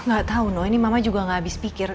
gak tahu no ini mama juga gak habis pikir